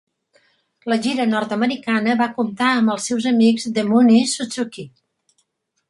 La gira nord-americana va comptar amb els seus amics, The Mooney Suzuki.